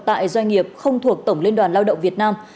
tại doanh nghiệp không thuộc tổng liên đoàn lao động việt nam